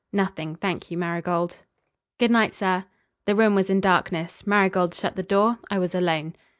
"Nothing, thank you, Marigold." "Good night, sir." The room was in darkness. Marigold shut the door. I was alone.